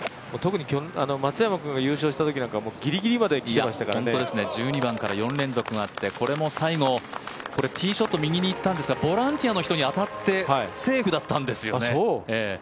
特に松山君が優勝したときはギリギリまで来ていましたからね１２番から４連続があってこれも最後ティーショット右に行ったんですがボランティアの人に当たってセーフだったんですよね。